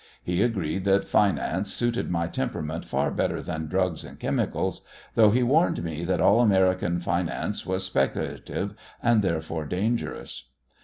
He agreed that finance suited my temperament far better than drugs and chemicals, though he warned me that all American finance was speculative and therefore dangerous.